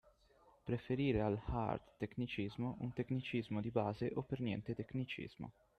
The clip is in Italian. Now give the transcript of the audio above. Preferire all'hard tecnicismo un tecnicismo di base o per niente tecnicismo.